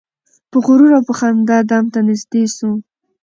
په غرور او په خندا دام ته نیژدې سو